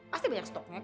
pasti banyak stoknya pak